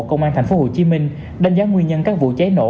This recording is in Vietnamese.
công an tp hcm đánh giá nguyên nhân các vụ cháy nổ